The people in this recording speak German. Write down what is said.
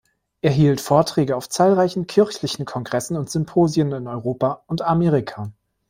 Er hielt Vorträge auf zahlreichen kirchlichen Kongressen und Symposien in Europa und Amerika.